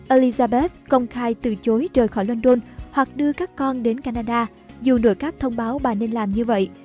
elizabeth công khai từ chối trời khỏi london hoặc đưa các con đến canada dù nội các thông báo bà nên làm như vậy